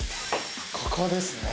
ここですね